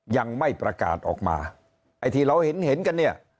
ยังไม่ประกาศออกมาไอ้ที่เราเห็นเห็นกันเนี่ย